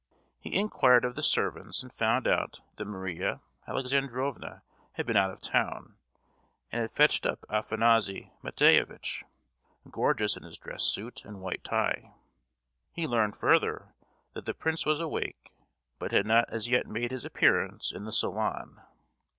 He inquired of the servants, and found out that Maria Alexandrovna had been out of town, and had fetched up Afanassy Matveyevitch, gorgeous in his dress suit and white tie. He learned, further, that the prince was awake, but had not as yet made his appearance in the "salon."